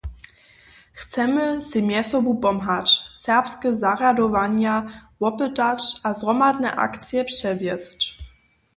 Chcemy sej mjezsobu pomhać, serbske zarjadowanja wopytać a zhromadne akcije přewjesć.